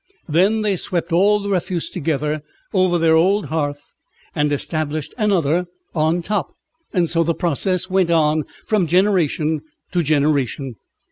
Then they swept all the refuse together over their old hearth, and established another on top. So the process went on from generation to generation.